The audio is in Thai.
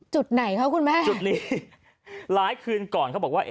จุดไหนคะคุณแม่จุดนี้หลายคืนก่อนเขาบอกว่า